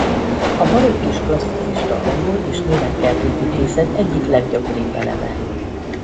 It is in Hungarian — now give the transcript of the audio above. A barokk és klasszicista angol és német kertépítészet egyik leggyakoribb eleme.